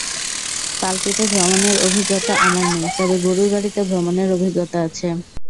পালকিতে ভ্রমণের অভিজ্ঞতা আমার নেই তবে গরুর গাড়িতে ভ্রমণের অভিজ্ঞতা আছে।